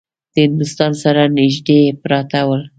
د هندوستان سره نیژدې پراته ول.